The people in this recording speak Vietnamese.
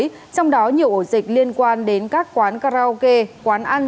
trong đó nhiều ổ dịch liên quan đến các quán karaoke quán ăn